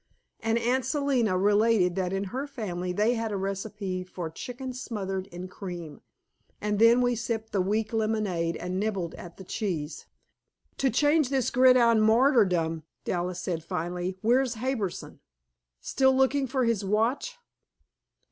And Aunt Selina related that in her family they had a recipe for chicken smothered in cream. And then we sipped the weak lemonade and nibbled at the cheese. "To change this gridiron martyrdom," Dallas said finally, "where's Harbison? Still looking for his watch?"